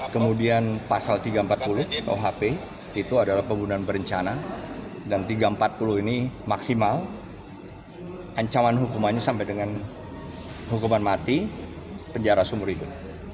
kemudian pasal tiga ratus empat puluh kuhp itu adalah pembunuhan berencana dan tiga ratus empat puluh ini maksimal ancaman hukumannya sampai dengan hukuman mati penjara sumur hidup